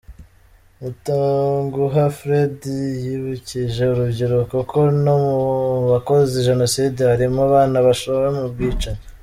Mutanguha Freddy yibukije urubyiruko ko no mu bakoze Jenoside harimo abana bashowe mu bwicanyi.